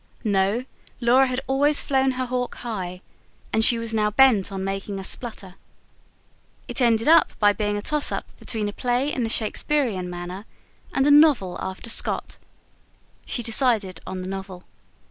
No, Laura had always flown her hawk high, and she was now bent on making a splutter. It ended by being a toss up between a play in the Shakesperian manner and a novel after Scott. She decided on the novel.